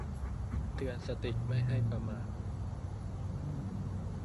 เตือนสติไม่ให้ประมาท